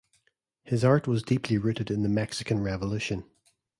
His art was deeply rooted in the Mexican Revolution.